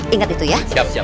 ingat itu ya